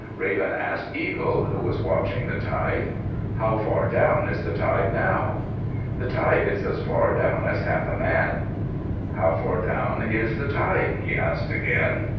Raven asked Eagle, who was watching the tide, "How far down is the tide now?" "The tide is as far down as half a man." "How far down is the tide?" he asked again.